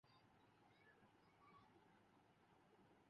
گئی گزری فوج نہیں ہے۔